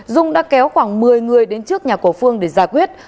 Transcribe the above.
dung đã kéo khoảng một mươi người đến trước nhà của phương để giải quyết